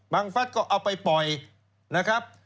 ฟัฐก็เอาไปปล่อยนะครับ